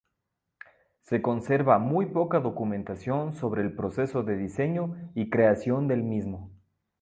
Se conserva muy poca documentación sobre el proceso de diseño y creación del mismo.